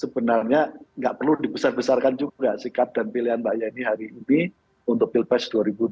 sebenarnya nggak perlu dibesar besarkan juga sikap dan pilihan mbak yeni hari ini untuk pilpres dua ribu dua puluh